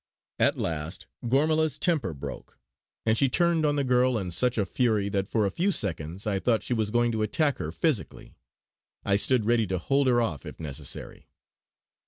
At last Gormala's temper broke, and she turned on the girl in such a fury that for a few seconds I thought she was going to attack her physically. I stood ready to hold her off if necessary.